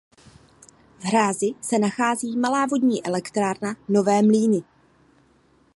V hrázi se nachází Malá vodní elektrárna Nové Mlýny.